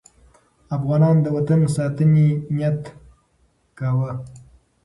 افغانان د وطن د ساتنې نیت کاوه.